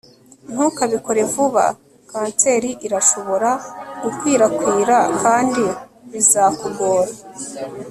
ntukabikore vuba, kanseri irashobora gukwirakwira kandi bizakugora